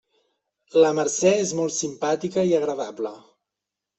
La Mercè és molt simpàtica i agradable.